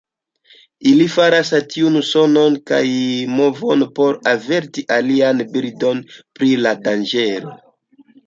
Ili faras tiujn sonojn kaj movojn por averti aliajn birdojn pri la danĝero.